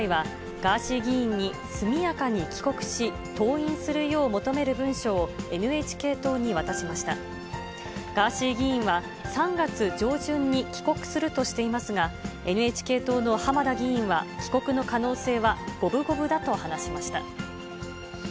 ガーシー議員は３月上旬に帰国するとしていますが、ＮＨＫ党の浜田議員は、帰国の可能性は五分五分だと話しました。